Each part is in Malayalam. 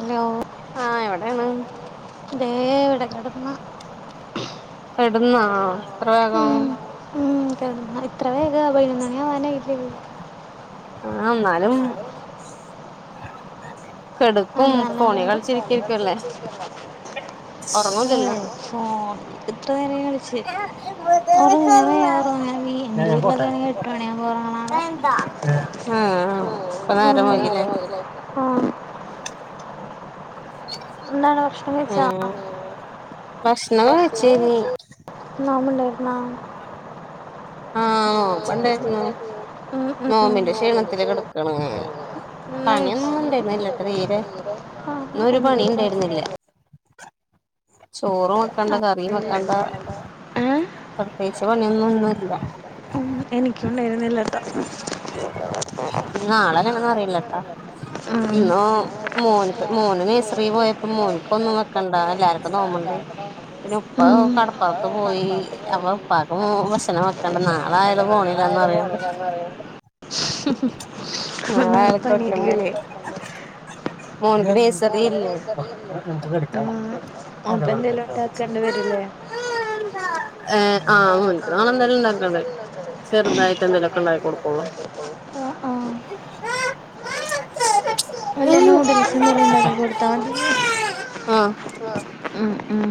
ഹലോ ദേ ഇവിടെ കിടക്കണ് കിടന്നോ ഇത്ര വേഗം എത്ര വേഗ പോയിന്ന ഞാൻ [unintelligible] എന്നാലും ആഹ നല്ലണ്ട് ഫോൺ ഇത്ര നേരായി കളിച്ച ഉറങ്ങും ഇങ്ങനെയാ ഞാൻ ഉറങ്ങണ എന്റെ വീട്ടിലൊക്കെ ആണെങ്കി എട്ട് മണിയാവുമ്പോ ഒറങ്ങണത ആഹ ഇപ്പൊ നേരം വൈകി ഇല്ലേ ആഹ എന്താണ് ഭക്ഷണം കഴിച്ചാ ഭക്ഷണം കഴിച്ചു നോമ്പുണ്ടാർന്ന ആഹ് നോമ്പ്ണ്ടായിരുന്നു നോമ്പിന്റെ ക്ഷീണത്തില് കിടക്കാണ് ഇങ്ങനെ പണിയൊന്നും ഇണ്ടായിരുന്നില്ലട്ട തീരെ ഇന്ന് ഒരു പണി ഉണ്ടായിരുന്നില്ല ചോറും വെക്കണ്ട കറിയും വെക്കണ്ട പ്രേത്യേകിച്ചു പണിയൊന്നും ഇന്നില്ല ഉം എനിക്കുംണ്ടായിരുന്നില്ലട്ടാ ഇന്ന് മോന് മോന് നഴ്സറി പോയപ്പോ മോനിക്ക് ഒന്നും വെക്കണ്ട എല്ലാർക്കും നോമ്പുണ്ട് [inaudible] പിന്നെ ഉപ്പ കടപ്പുറത്ത് പോയി അപ്പ ഉപ്പക്കും ഭക്ഷണം വെക്കണ്ട നാളെ നാളെ പോണില്ലാന്ന പറയണ നാളെപ്പണിയായിരിക്കല്ലേ മോന് നഴ്സറി ഇല്ലേ ഏ ആഹ ഓനിക്ക് നാളെ ന്തായാലും ഉണ്ടാവും അതെ ചെറുതായിട്ട് എന്തേലൊക്കെ ഉണ്ടാക്കി കൊടുക്കുള്ളൂ വല്ല നൂഡിൽസും ഉണ്ടാക്കി കൊടുത്ത ഉം ഉം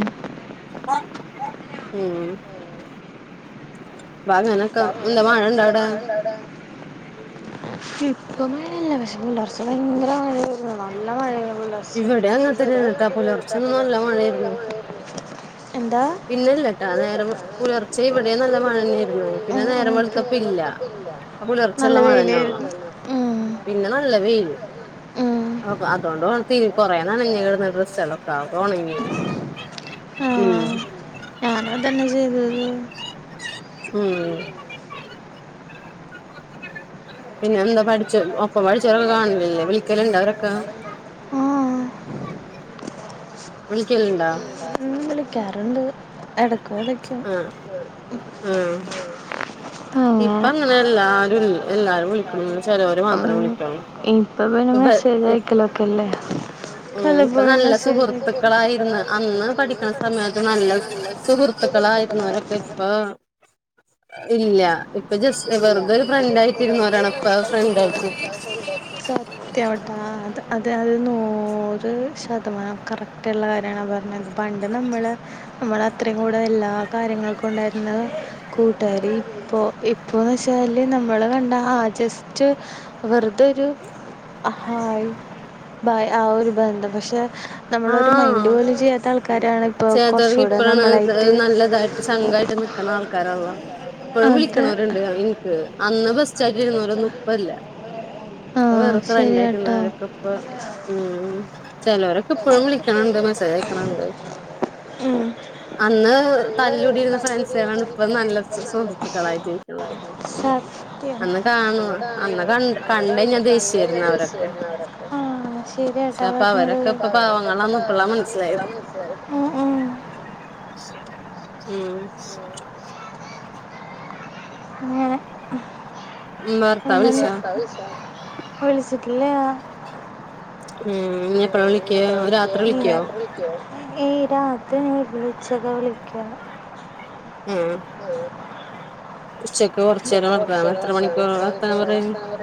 ഉം മഴ ഇണ്ടാ അവിടെ ഇപ്പ മഴയില്ല പക്ഷെ പുലർച്ചെ ഭയങ്കര മഴ ആരുന്നു നല്ല മഴ ഇവിടെ [unintelligible] നല്ല മഴയായിരുന്നു പിന്നെല്ലട്ടാ നേരം പുലർച്ചെ ഇവിടെ നല്ല മഴ തന്നെയായിരുന്നു പിന്നെ നേരം വെളുത്തപ്പ ഇല്ല അ പുലർച്ചയുള്ള മഴന്നെ ഉള്ളു പിന്നെ നല്ല വെയിൽ അതൊണ്ട് കൊറെ നനഞ്ഞു കിടന്ന ഡ്രസ്സുകളൊക്കെ അത് ഉണങ്ങി ഉം ഞാന അതന്നെ ചെയ്തത് ഉം [unintelligible] [unintelligible] പിന്നെ എന്താ പഠിച്ച ഒപ്പ പഠിച്ചവരൊക്കെ കാണലല്ലേ വിളിക്കല ഇണ്ടവരൊക്കെ ആഹ വിളിക്കലണ്ടോ ാറണ്ട് ഇടക്കടെക്കും ഇപ്പ അങ്ങനെ എല്ലാരും എല്ലാരും വിളിക്കണം ചിലവര് മാത്രം വിളിക്കുള്ള പവനിമ സ ജായക്ക ലോക്കല്ലേ ഉ ഇപ്പ നല്ല സുഹൃത്തുക്കളായിരുന്നു അന്ന് പഠിക്കണം സമയത്ത് നല്ല സുഹൃത്തുക്കളായിുന്നവരൊക്കെ ഇപ്പൊ ഇല്ല ഇപ്പൊ ജസ്റ്റ് വെറുതെ ഒരു ഫ്രണ്ട്ായിട്ടിരുന്നവരാണ് ഇപ്പ ആ ഫ്രണ്ട്ായിട്ട് സത്ത് കയാവട്ടോ അത് അത് അത് നൂറ് ശതമാനം കറക്റ്റ്ുള്ള കാര്യമാണ് പറഞ്ഞത് ണ്ട് നമ്മള് നമ്മൾ അത്രയും കൂടെത എല്ലാ കാര്യങ്ങൾക്കും ഉണ്ടായിരുന്ന കൂട്ടുകാരി അപ്പോൾ ഇപ്പോന്ന് വെച്ചാല് നമ്മള് കണ്ട ആ ജസ്റ്റ് വെറുതരു ഹായ് ബായ് ആ ഒരു ബന്ധം പക്ഷെ നമ്മളരു മൈൻഡ് പോലും ചെയ്യാത്ത ആൾക്കാരാണ് ഇപ്പോ കുറച്ചുകൂടെ നമ്മളായിട്ട് ായിട്ട് നിക്കണ ആൾക്കാരള്ളോ എപ്പോഴും വിളിക്കണവരുണ്ട് എനിക്ക് അന്ന് ബസ് സ്റ്റാഡ ഇരുന്നവരന്ന മുപ്പല്ല അ വെറുക്ക രണ്ടായിരത്തിുന്നാലക്കെ ഇപ്പ ഉ ചല അവരൊക്കെ പുഴം വിളിക്കണുണ്ട് മസിക്കണുണ്ട് ഉം അന്ന് തല്ലൂടിരുന്ന ഫാൻസാണ് ഇപ്പ നല്ല സുഹൃത്തുക്കളായിട്ടിരിക്കുന്നത് അന്ന് കാണ അന്ന് ക കണ്ടല്ല ദേശായിരുന്നു അടെൊക്കെ ശരിയ കേട്ടാശ [unintelligible] വ പപ്പ പട്ടിച്ച [unintelligible] ഉം [unintelligible] മ എ വിളിച്ചിട്ടില്ലേ ഉം ഇനി എപ്പഴാ വിളിക്കയോ രാത്രി വിളിക്കയോ ഏ രാത് നിളിച്ചത വിളിക്കുക ഉം ഉച്ചക്ക കുറച്ചറക്ക ഇത്ര വിക്കക്ക പറ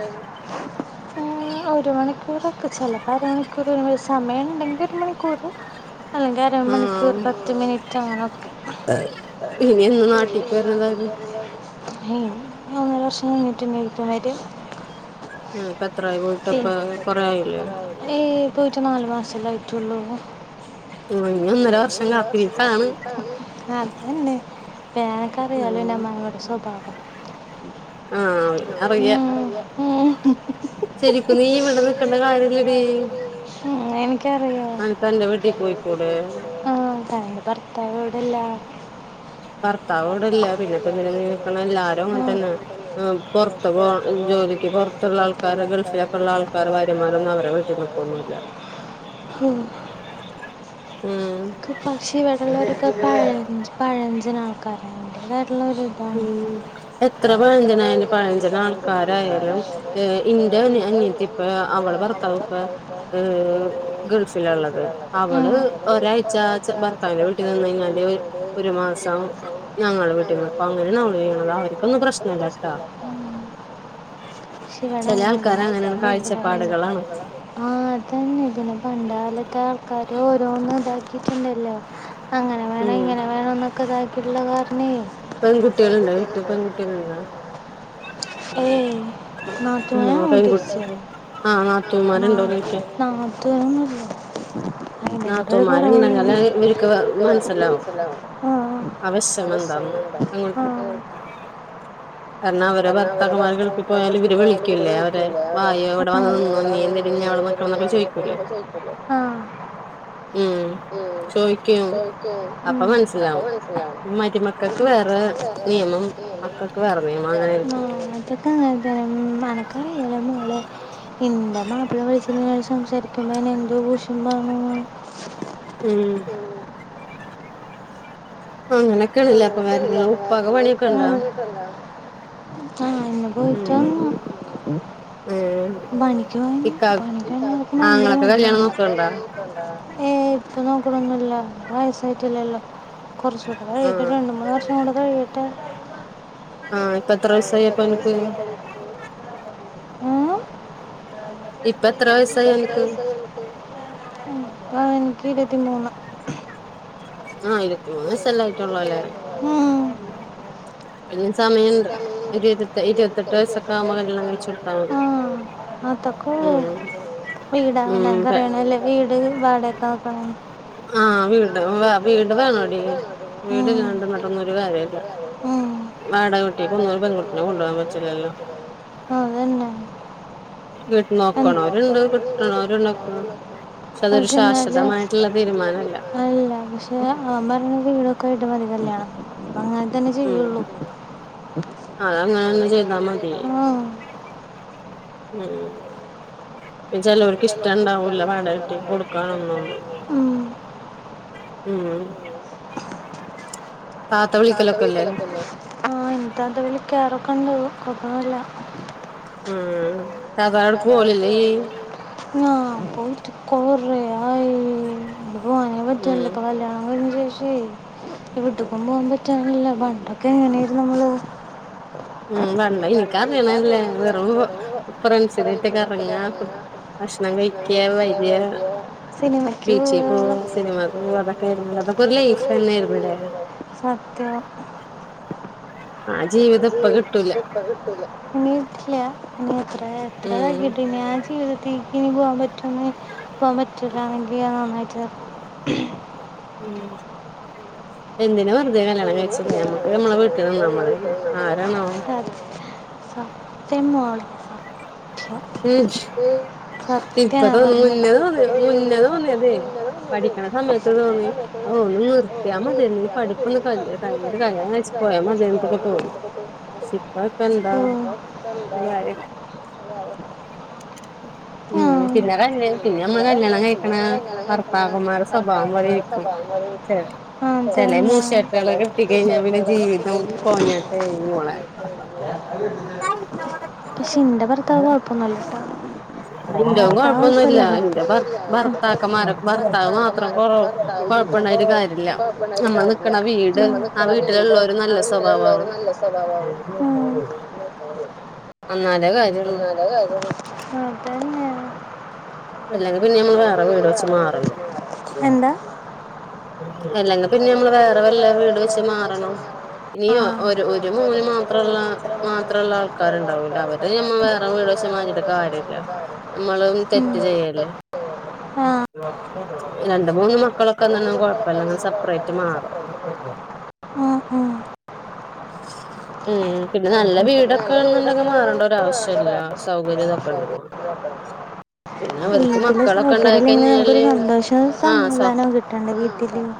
ഒരു മണിക്കൂറൊക്കെ ചിലപ്പോ അരമണിക്കൂർ സമയമ ഉണ്ടെങ്കിൽ ഒരു മണിക്കൂർ അല്ലെങ്കി അര മണിക്കൂർ പത്ത് മിനിറ്റ് അങ്ങനൊക്കെ പിനി എന്ന് നാട്ടിക്ക് വരണത ഒന്നര വർഷംഞ്ഞിട്ടുണ്ടിക്ക് പി പോയിട്ട് നാല്ു മാസല്ലായിട്ടുള്ള ആ ഒന്നരം [unintelligible] അതന്നെ വേനക്കറിയാലോ [unintelligible] സ്വഭാവം [unintelligible] ആ ഇവനറിയാം ശരിക്കും നീ ഇവിടെ നിക്കണ്ട കാര്യല്ലെടീ മ് എനിക്കറിയോ [unintelligible] ആ എന്റെ ഭർത്താവ് ഇവിടില്ല [unintelligible] ഭർത്താവും ഇവിടില്ല പിന്നെപ്പന്തിനാ നീ നിക്കണേ എല്ലാരും അങ്ങനെ തന്നെ പൊറത്ത് പോവ ജോലിക്ക് പൊറത്തുള്ള ആൾക്കാരെ ഗൾഫിലൊക്കെള്ള ആൾക്കാരെ ഭാര്യമാരൊന്നും അവരെ വീട്ടി [unintelligible] ന്നുല്ല ഉം ഉം പക്ഷെ ഇവട്ള്ളൊരൊക്കെ പഴഞ്ച് പഴഞ്ചൻ ആൾക്കാരാ ഉം എത്ര പഴഞ്ചനായാലും പഴഞ്ചനാൾക്കാരായാലും ഏ ഇന്റെ അ അന്യത്തി ഇപ്പ അവള് ഭർത്താവു ഇപ്പ ഗൾഫിലള്ളത് അവള് ഒര ഒരാഴ്ച ഭർത്താവിൻ്റെ വീട്ടി [inaudible] ഒരു മാസം ഞങ്ങളെ വീട്ടില് [inaudible] സ്‌കൂളിലാക്കാ ശിവടെ [inaudible] അതന്നെ ഇതിനെ കണ്ടാല ആൾക്കാര് ഓരോന്ന് ഇതാക്കിട്ട്ണ്ടല്ലോ ഉം ന്നൊക്കെതാക്കിട്ട്ള്ള കാരണേ ഏയ് നാത്തൂനും മൂത്തച്ച്യെ ളും ആ നാത്തൂനില്ല അയ്ന് വടെ [unintelligible] അ കാരണം അവരെ ഭർത്താവ് അവർക്ക് [unintelligible] ആ ഉം ചോയ്ക്കും അപ്പൊ മൻസ്സിലാവും നിയമം മക്കൾക്ക് വെറെ നിയമം ആ അതൊക്കെ അങ്ങൻ തന്നെ നടക്കൻ [unintelligible] മോളെ ഇന്റെ മാപ്പിള വിളിച്ചീനി ങ്ങനെ സംസാരിക്കുമ്പോ അയ്ന് എന്തു വെഷ് മാണോ ഉം [inaudible] ഉം ആ അന്ന് പോയിട്ടാണോ ബനിക്ക് [unintelligible] ഭയങ്കര മട്യാണ് ഏ പ്പനോക്ക്ണൊന്നുല്ല വയസായിട്ടില്ലല്ലോ കൊറ അത് കഴിഞ്ഞിട്ട് രണ്ട് മൂന്ന് വർഷം കൂടി കഴിയട്ടെ ഇപ്പ എത്ര വയസായിപ്പൻക്ക് ആ എനിക്ക് ഇരുവത്തിമൂന്ന് ആ ഇരുപത്തി മൂന്ന് വയസ്സല്ലയിട്ടൊള്ളൂല്ലേ ഉം ഇനീം സമയ്ണ്ട് [unintelligible] ആ അതൊക്കെ ഒ വീടാവണേ കൊറേ നല്ലവീട് വാടകക്കാനിക്കണേ ആ ഉം ട് വാ വീട് വേണോടി വീടില്ലാണ്ട് ന്ന്ട്ടൊന്നും ഒരുകാര്യല്ല ആ അതെന്നെ പക്ഷേ ന്നാലും അല്ല പക്ഷെ അവംപർഞ്ഞ് വീടൊക്കയിട്ട് മതി കല്യാണം പ്പങ്ങനെ തന്നെ ചെയ്യൊള്ളു ന്നമതി ഉം ചെലോർക്ക് ഇഷ്ട ണ്ടാവൂല വാടകക്ക് കൊടുക്കാനൊന്നും ഉം താത്ത വിളിക്കലൊക്കല്ലോ താത്ത വിളിക്കറൊക്കണ്ട് കൊഴപ്പൊന്നുല്ല ഉം ആ പോയിട്ടു കോറ ആായി ഭഗവാാനെ പറ്റല്ലപ്പ കല്യാണം കഞ്ഞചേഷ വിീട്ടക്കും പോകാൻ പറ്റാനല്ലേ വണ്ടൊക്കെ എങ്ങനെയരുന്നു നമ്മള് ന വെള്ള ഇല്ലട ഫസക്ക തങ്ങ സിനിമക്ക് പോ സത്യം അ ഇീട്ടില്ല ഇനി എത്ര എത്രതാക്കിട്ടു ഇ ആ ജീവിതത്തി ഇനി പോകൻ പറ്റ പോകാൻ പറ്റൂലണെങ്കിൽ നന്നായിച്ച എന്തിനതിന വ പുതിയ കല്യാണം കഴിച്ചില്ലേ നമ്മക്ക് നമ്മളെ വീട്ടിൽന്നാ മതി ആരാണോ ത മ ഫർക്ക ത പറ ഓ നിർത്തിയാ മതിയന്ന് ഈ പഠിപ്പ കഴഞ്ഞ കൻ കഴിച്ചച്ച് പോയാ മതിത്തൊക്കെ തോന്നും ശിക്ക ഇക്ക എന്താ അത അ ഉ ഉം പിന്നെ കല് പിന്നെ നമ്മ കല്യാണം കഴിക്കണ ഭർത്താകന്മാരു സ്വഭാവം പോലെരിക്കും ശരി ചല്ല മൂർ ശട്ട സ്ഥല ചേർട്ടള ഫട്ട പക്ഷെ ഇന്റെ ഭർത്താവ് കൊഴപ്പൊന്നുമല്ലട്ടോ വത്ത പല്ലത്ത അപ്പ അപ്പപ്പണ ഒരുതായിുന്നയ ന നിക്കണ വീട് ആ വീട്ടിലുള്ളര് നല്ല സ്വഭാവവും അന്നാല അ അല്ലെങ്ക പിന്നെ നമ്മൾ വേറെ വീട് വെച്ച് മാറുന്നു പിന്നെ നമ്മള് വേറെ വല്ല വീട് വെച്ച് മാറണം ഇനിയ ഒരു ഒരു മൂന് മാത്രമുള്ള മാത്രമുള്ള ആൾക്കാരുണ്ടാവൂല അവര് മ്മ വീ മാറ്റിട്ടക്ക കാര്യല്ല നമ്മള തെറ്റ് ചെയ്യല്ലേ രണ്ട മൂന്ന് മക്കളൊക്കെ ഒന്നല്ല കൊഴപ്പല്ലാം അങ്ങനെ സെപ്പറേറ്റ് മാറും ആഓ ആ ഉം പിന്നെ നല്ല വീടക്കെ ആണെന്നണ്ടങ്കിൽ മാറേണ്ട ഒര ആാവശ്യല്ല സൗകര്യ [inaudible] [inaudible] വീട്ടിലെ സൗകര്യല്ല ഇങ്ങനെ നമുക്കരു സന്തോഷവും സമാധാനവും കിട്ടണ്ട വീട്ടില് [inaudible]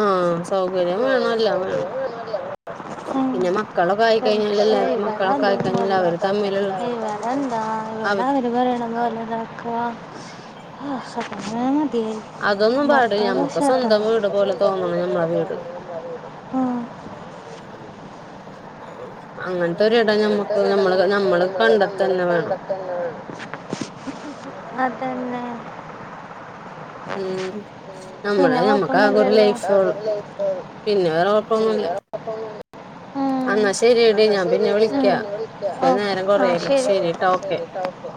ആഹ സൗകര്യം വേണം എല്ലാം വേണം പിന്നെ മക്കള കായി പരീക്ഷവിടോന്നല്ലവിടെ എന്താവിട അവര് പറയണെന്നല്ല ആട്ടതി ഭർത്താവാവ ർട്ടന്ന് ആ [inaudible] അങ്ങ എന്നത്തെൊടം നമ്മ നമ്മള് നമ്മള് കണ്ടക്കെ തന്നാണ് അതന്നെ ഉം നമ്മള ഞമ്മക്ക് ആകെ ഒരു ലൈഫ പിന്നെ വേറെ കുഴപ്പൊന്നുമല്ല ഉ ശരി ശ ശരിട്ടക്ക